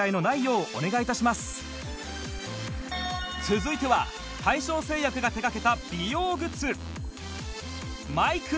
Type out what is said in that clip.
続いては大正製薬が手がけた美容グッズ